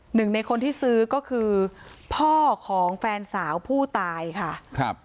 หนึ่งในคนที่ซื้อก็คือพ่อของแฟนสาวผู้ตายค่ะครับ